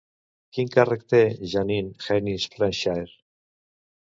Quin càrrec té Jeanine Hennis-Plasschaert?